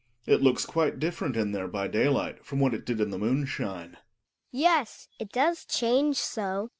It looks quite different in there by daylight f rom what it did in the moon shine. ' Hedvig. Yes, it does change so.